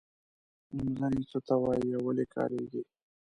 نومځري څه ته وايي او ولې کاریږي.